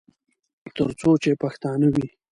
تر څو چې پښتانه وي.